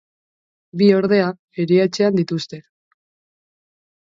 Bi, ordea, erietxean dituzte.